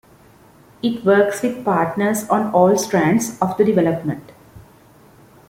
It works with partners on all strands of the development.